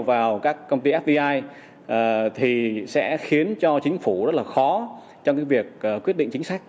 vào các công ty fdi thì sẽ khiến cho chính phủ rất là khó trong cái việc quyết định chính sách